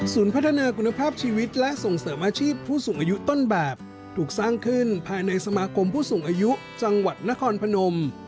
พัฒนาคุณภาพชีวิตและส่งเสริมอาชีพผู้สูงอายุต้นแบบถูกสร้างขึ้นภายในสมาคมผู้สูงอายุจังหวัดนครพนม